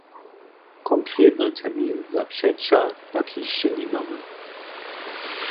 Konkretny termin za přećah pak hišće nimamy.